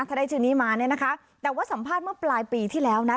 ถ้าได้ชื่อนี้มาเนี่ยนะคะแต่ว่าสัมภาษณ์เมื่อปลายปีที่แล้วนะ